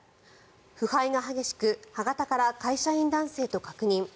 腐敗が激しく歯型から会社員男性と確認。